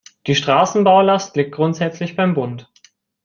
Die Straßenbaulast liegt grundsätzlich beim Bund.